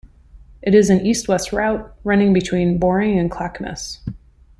It is an east-west route, running between Boring and Clackamas.